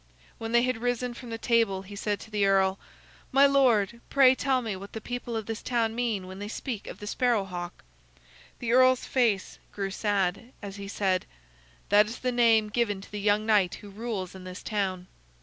When they had risen from the table, he said to the earl: "My lord, pray tell me what the people of this town mean when they speak of the Sparrow hawk." The earl's face grew sad, as he said: "That is the name given to the young knight who rules in this town."